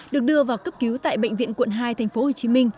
được đưa vào cấp cứu tại bệnh viện quận hai tp hcm